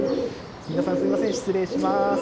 皆さん、すみません、失礼します。